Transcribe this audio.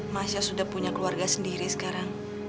ma syaos udah punya keluarga sendiri sekarang